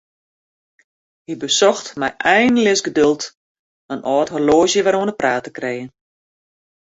Hy besocht mei einleas geduld in âld horloazje wer oan 'e praat te krijen.